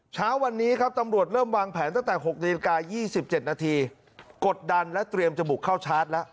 เช้าวันนี้ครับตำรวจเริ่มวางแผนตั้งแต่๖นาฬิกา๒๗นาทีกดดันและเตรียมจะบุกเข้าชาร์จแล้ว